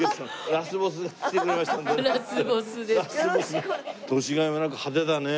ラスボスです。